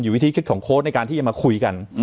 วิธีคิดของโค้ดในการที่จะมาคุยกัน